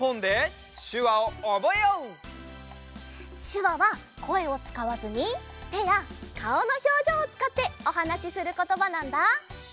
しゅわはこえをつかわずにてやかおのひょうじょうをつかっておはなしすることばなんだ。